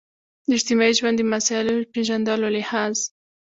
د اجتماعي ژوند د مسایلو پېژندلو لحاظ.